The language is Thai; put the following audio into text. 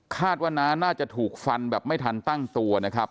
ว่าน้าน่าจะถูกฟันแบบไม่ทันตั้งตัวนะครับ